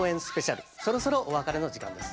そろそろお別れの時間です。